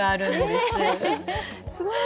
すごい！